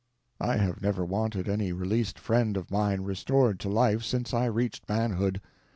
I have never wanted any released friend of mine restored to life since I reached manhood.